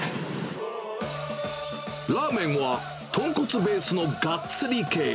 ラーメンは、豚骨ベースのがっつり系。